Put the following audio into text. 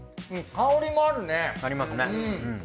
うん香りもあるね。ありますね。